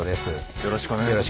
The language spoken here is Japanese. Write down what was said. よろしくお願いします。